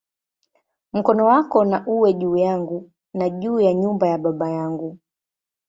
Mkono wako na uwe juu yangu, na juu ya nyumba ya baba yangu"!